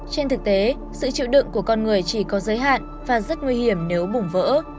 trên thực tế sự chịu đựng của con người chỉ có giới hạn và rất nguy hiểm nếu bùng vỡ